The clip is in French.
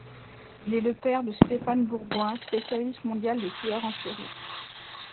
Il est le père de Stéphane Bourgoin, spécialiste mondial des tueurs en série.